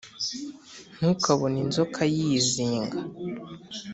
ntukabone inzoka yizinga